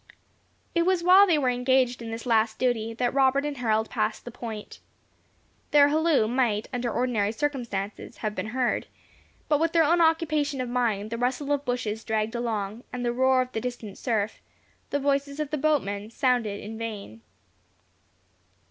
It was while they were engaged in this last duty that Robert and Harold passed the point. Their halloo might, under ordinary circumstances, have been heard; but with their own occupation of mind, the rustle of bushes dragged along, and the roar of the distant surf, the voices of the boatmen sounded in vain.